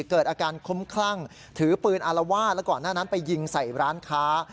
เกิดอาการคุ้มคลั่งถือปืนอารวาสแล้วก่อนหน้านั้นไปยิงใส่ร้านค้า